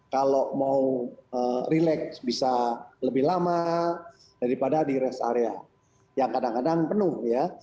kalau mau relax bisa lebih lama daripada di rest area yang kadang kadang penuh ya